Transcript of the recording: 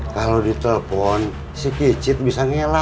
kalau ditelepon si kicit bisa ngela